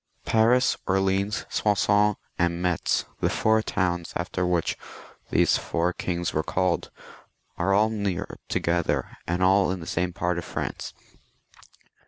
Paris, Orleans, Soissons, and Metz, the four towns after which these four kings were called, are aU near together, and all in the same part of France.